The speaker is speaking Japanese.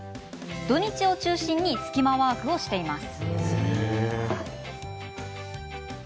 土日を中心にスキマワークをしています。